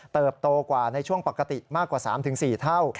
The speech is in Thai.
โตกว่าในช่วงปกติมากกว่า๓๔เท่า